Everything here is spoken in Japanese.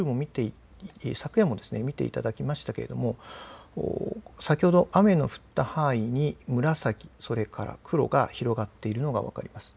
昨夜も見ていただきましたけれども先ほど雨の降った範囲に紫、それから黒が広がっているのが分かります。